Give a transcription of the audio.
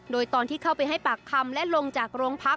โดยตอนที่เข้าไปให้ปากคำและลงจากโรงพัก